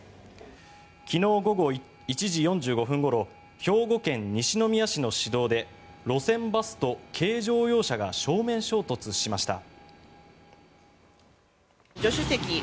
昨日午後１時４５分ごろ兵庫県西宮市の市道で路線バスと軽乗用車が正面衝突しました。